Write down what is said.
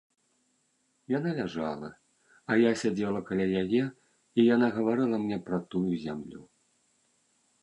Яна ляжала, а я сядзела каля яе, і яна гаварыла мне пра тую зямлю.